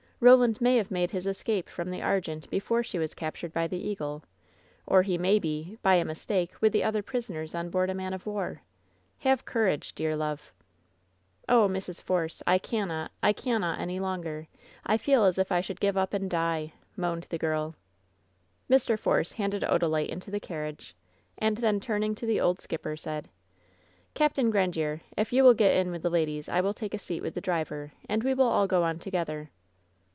Roland may have made his es cape from the Argente before she was captured by the Eagle; or he may be, by a mistake, with the other pris oners on board a man of war. Have courage, dear love." "Oh, Mrs. Force, I cannot — I cannot any longer! I feel as if I should give up and die!" moaned the girL 78 WHEN SHADOWS DIE Mr. Force handed Odalite into the carriage, and then, turning to the old skipper, said: "Capt Grandiere, if you will get in with the ladies, I will take a seat with the driver, and we will all go on to gether."